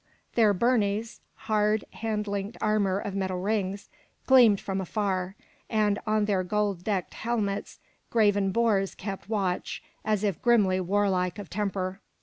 Their burnies (hard, hand linked armor of metal rings) gleamed from afar, and on their gold decked helmets graven boars kept watch as if grimly warlike of temper.